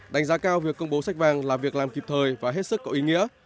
đánh giá cao việc công bố sách vàng là việc làm kịp thời và hết sức có ý nghĩa